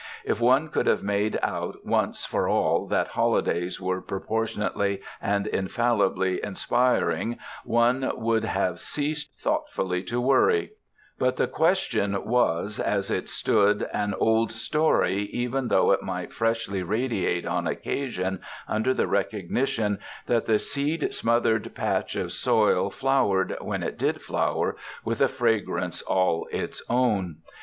If one could have made out once for all that holidays were proportionately and infallibly inspiring one would have ceased thoughtfully to worry; but the question was as it stood an old story, even though it might freshly radiate, on occasion, under the recognition that the seed smothered patch of soil flowered, when it did flower, with a fragrance all its own.